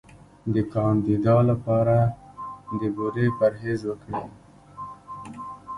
د کاندیدا لپاره د بورې پرهیز وکړئ